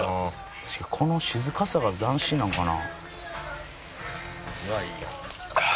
「この静かさが斬新なんかな？」